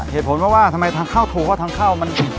เหตุผลว่าทำไมทางเก้าถูกเพราะว่าทางเก้ามัน